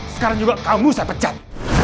sekarang juga kamu saya pecat